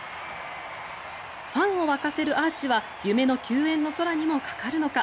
ファンを沸かせるアーチは夢の球宴の空にも架かるのか。